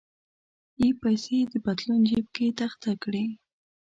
یې پیسې د پتلون جیب کې تخته کړې.